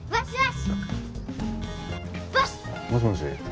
もしもし？